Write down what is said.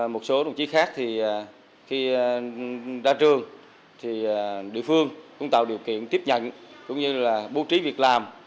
một số đồng chí khác thì khi ra trường thì địa phương cũng tạo điều kiện tiếp nhận cũng như là bố trí việc làm